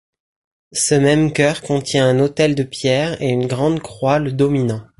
Ce même chœur contient un autel de pierre et une grande croix le dominant.